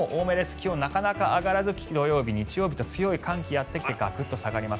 気温、なかなか上がらず土曜日、日曜日と強い寒気がやってきてガクッと下がります。